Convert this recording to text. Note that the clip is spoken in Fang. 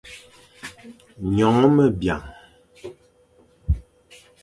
Nyongh me biang.